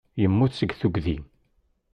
Yemmut seg tuggdi.